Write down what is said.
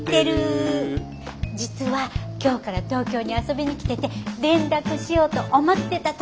実は今日から東京に遊びに来てて連絡しようと思ってたとこだったんだけど。